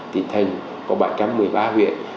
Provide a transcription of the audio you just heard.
tỉnh thành có bảy trăm một mươi ba huyện